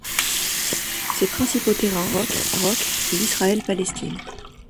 Ses principaux terrains sont le Maroc et Israël-Palestine.